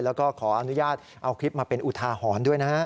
แล้วก็ขออนุญาตเอาคลิปมาเป็นอุทาหรณ์ด้วยนะฮะ